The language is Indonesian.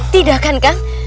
tidak kan kang